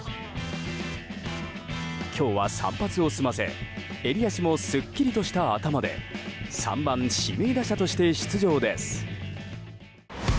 今日は散髪を済ませ襟足もすっきりとした頭で３番指名打者として出場です。